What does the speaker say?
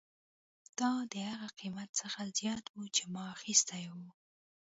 دا د هغه قیمت څخه زیات و چې ما اخیستی و